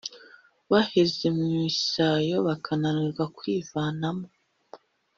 baheze mu isayo bakananirwa kwivanamo